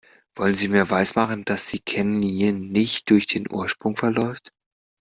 Wollen Sie mir weismachen, dass die Kennlinie nicht durch den Ursprung verläuft?